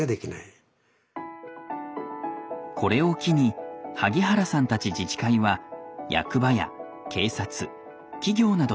これを機に萩原さんたち自治会は役場や警察企業などと連携。